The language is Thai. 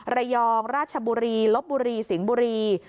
ระยองราชบุรีลบบุรีสิงบุรี